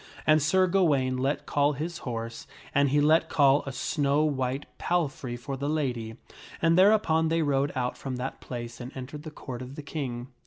And Sir Gawaine let call his horse, and he let call a snow white palfrey for the lady, and thereupon they rode out from that place and entered the Court of the King.